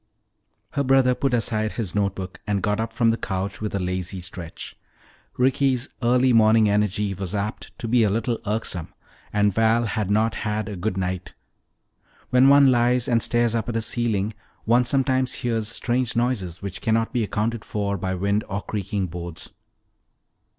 Her brother put aside his note book and got up from the couch with a lazy stretch. Ricky's early morning energy was apt to be a little irksome and Val had not had a good night. When one lies and stares up at a ceiling, one sometimes hears strange noises which cannot be accounted for by wind or creaking boards.